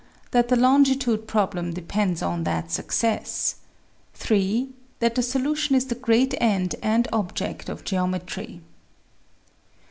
That the longitude problem depends on that success; 3. That the solution is the great end and object of geometry.